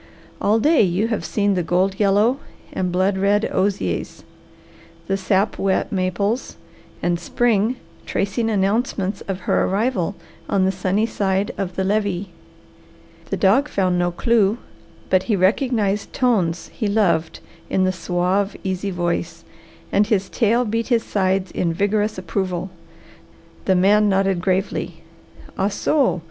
All day you have seen the gold yellow and blood red osiers, the sap wet maples and spring tracing announcements of her arrival on the sunny side of the levee." The dog found no clew, but he recognized tones he loved in the suave, easy voice, and his tail beat his sides in vigorous approval. The man nodded gravely. "Ah, so!